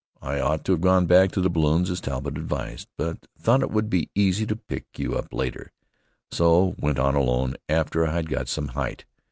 I ought to have gone back to the balloons as Talbott advised, but thought it would be easy to pick you up later, so went on alone after I had got some height.